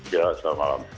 ya selamat malam